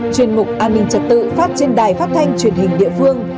chuyên mục an ninh trật tự phát trên đài phát thanh truyền hình địa phương